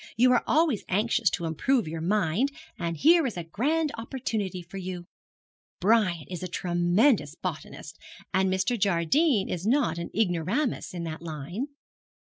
You are always anxious to improve your mind, and here is a grand opportunity for you. Brian is a tremendous botanist, and Mr. Jardine is not an ignoramus in that line.'